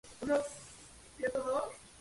Para esto se empleó la lanzadera Atlantis.